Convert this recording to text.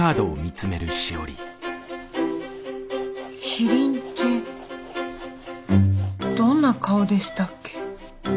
キリンってどんな顔でしたっけ？